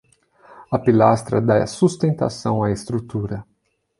A pilastra dá sustentação à estrutura